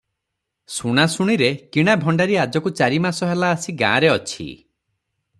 ଶୁଣାଶୁଣିରେ କିଣା ଭଣ୍ଡାରି ଆଜକୁ ଚାରିମାସ ହେଲା ଆସି ଗାଁଆରେ ଅଛି ।